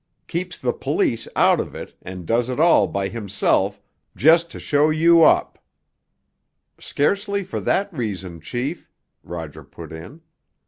Keeps the police out of it, and does it all by himself, just to show you up——" "Scarcely for that reason, chief," Roger put in.